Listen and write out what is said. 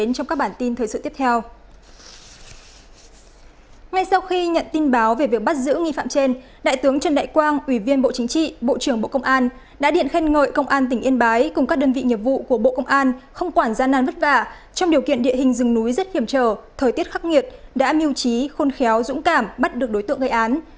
ngay sau khi nhận tin báo về việc bắt giữ nghi phạm trên đại tướng trần đại quang ủy viên bộ chính trị bộ trưởng bộ công an đã điện khen ngợi công an tỉnh yên bái cùng các đơn vị nhiệm vụ của bộ công an không quản gian nàn vất vả trong điều kiện địa hình rừng núi rất hiểm trở thời tiết khắc nghiệt đã mưu trí khôn khéo dũng cảm bắt được đối tượng gây án